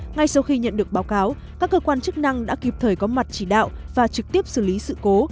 ngay sau khi nhận được báo cáo các cơ quan chức năng đã kịp thời có mặt chỉ đạo và trực tiếp xử lý sự cố